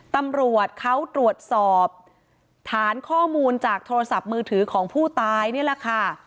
ตำรวจเขาตรวจสอบฐานข้อมูลจากโทรศัพท์มือถือของผู้ตายนี่แหละค่ะ